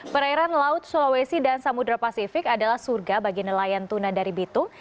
perairan laut sulawesi dan samudera pasifik adalah surga bagi nelayan tuna dari bitung